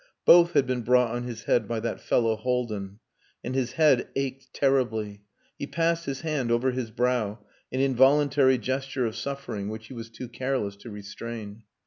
Both had been brought on his head by that fellow Haldin. And his head ached terribly. He passed his hand over his brow an involuntary gesture of suffering, which he was too careless to restrain.